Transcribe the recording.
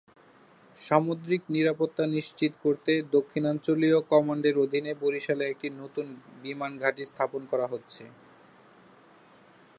সামুদ্রিক নিরাপত্তা নিশ্চিত করতে দক্ষিণাঞ্চলীয় কমান্ডের অধীনে বরিশালে একটি নতুন বিমান ঘাঁটি স্থাপন করা হচ্ছে।